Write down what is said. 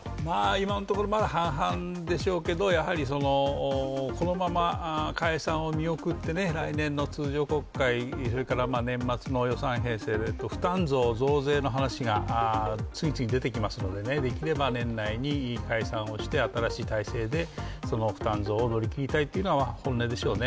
今のところ、まだ半々でしょうけど、やはりこのまま解散を見送って来年の通常国会、それから年末の予算編成と負担増、増税の話が次々出てきますのでね、できれば年内に解散をして新しい体制でその負担増を乗り切りたいというのが本音でしょうね。